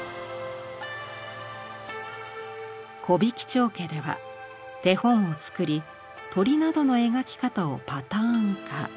「木挽町家」では手本を作り鳥などの描き方をパターン化。